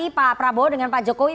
pak prabowo dengan pak jokowi